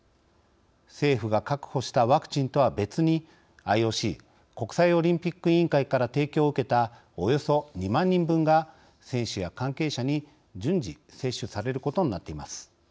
政府が確保したワクチンとは別にＩＯＣ＝国際オリンピック委員会から提供を受けたおよそ２万人ぶんが選手や関係者に順次接種されることになっています。